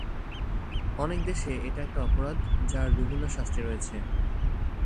অনেক দেশে এটা একটা অপরাধ, যার বিভিন্ন শাস্তি রয়েছে।